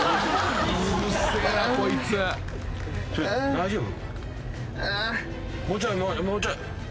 大丈夫？